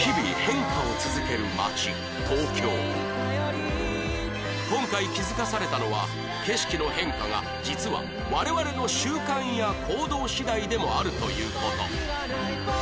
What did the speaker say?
日々今回気づかされたのは景色の変化が実は我々の習慣や行動次第でもあるという事